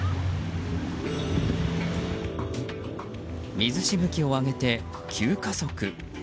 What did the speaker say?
水しぶきを上げて急加速。